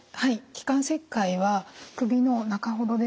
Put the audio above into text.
気管切開はくびの中ほどですね